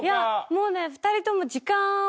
もうね２人とも。